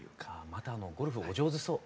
またゴルフお上手そう。